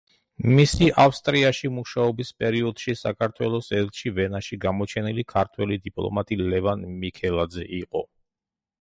მისი ავსტრიაში მუშაობის პერიოდში საქართველოს ელჩი ვენაში გამოჩენილი ქართველი დიპლომატი, ლევან მიქელაძე, იყო.